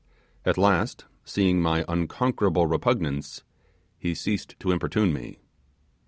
At last, seeing my unconquerable repugnance, he ceased to importune me.